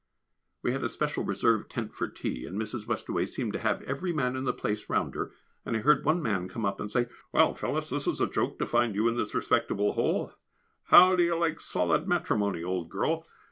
We had a special reserved tent for tea, and Mrs. Westaway seemed to have every man in the place round her, and I heard one man come up and say, "Well, Phyllis, this is a joke to find you in this respectable hole; how do you like solid matrimony, old girl?"